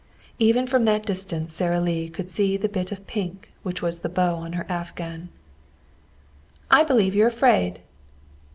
Even from that distance Sara Lee could see the bit of pink which was the bow on her afghan. "I believe you're afraid."